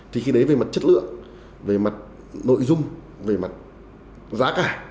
thì khi đấy về mặt chất lượng về mặt nội dung về mặt giá cả